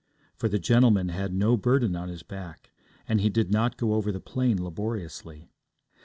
For the gentleman had no burden on his back, and he did not go over the plain laboriously.